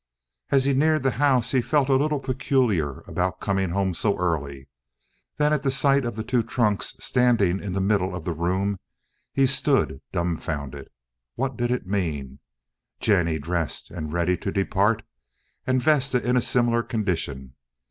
As he neared the house he felt a little peculiar about coming home so early; then at the sight of the two trunks standing in the middle of the room he stood dumfounded. What did it mean—Jennie dressed and ready to depart? And Vesta in a similar condition?